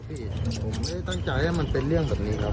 พี่ผมไม่ได้ตั้งใจให้มันเป็นเรื่องแบบนี้ครับ